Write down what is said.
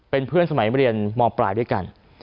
เป็นเพื่อนสมัยเรียนมปลายด้วยกัน